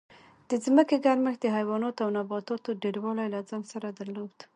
د ځمکې ګرمښت د حیواناتو او نباتاتو ډېروالی له ځان سره درلود